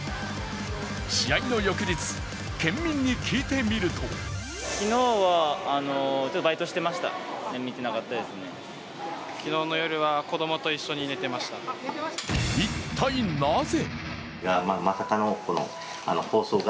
試合の翌日、県民に聞いてみると一体、なぜ？